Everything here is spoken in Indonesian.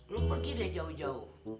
lu pergi deh jauh jauh